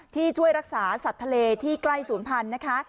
ช่วยรักษาสัตว์ทะเลที่ใกล้ศูนย์พันธุ์นะคะ